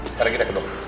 sekarang kita ke dokter